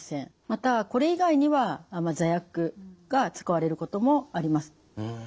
またこれ以外には座薬が使われることもあります。